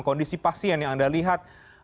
kondisi pasien yang anda lihat